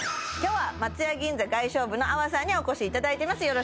今日は松屋銀座外商部の粟さんにお越しいただいてます